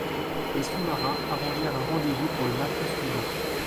Les sous-marins arrangèrent un rendez-vous pour le matin suivant.